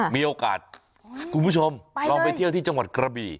มีโอกาสคุณผู้ชมลองไปเที่ยวที่จังหวัดกระบี่